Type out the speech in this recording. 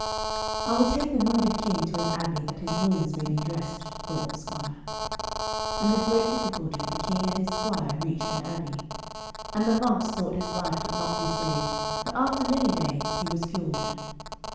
'I will take the wounded King to an abbey, that his wounds may be dressed,' thought the squire. And with great difficulty the King and his squire reached an abbey. And the monks thought his life could not be saved, but after many days he was cured.